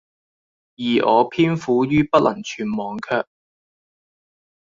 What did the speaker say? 而我偏苦于不能全忘卻，